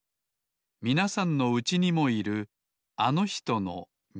みなさんのうちにもいるあのひとのみちです